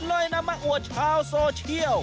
นำมาอวดชาวโซเชียล